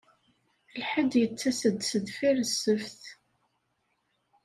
Lḥedd yettas-d sdeffir Ssebt.